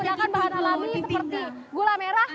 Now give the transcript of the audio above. kita rimah sampai sepuluh menit sudah matang